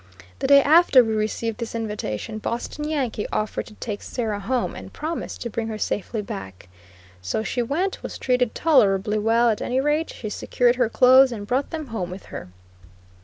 The day after we received this invitation, Boston Yankee offered to take Sarah over home, and promised to bring her safely back. So she went, was treated tolerably well, at any rate, she secured her clothes and brought them home with her.